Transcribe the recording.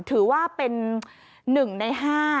ถือว่าเป็น๑ใน๕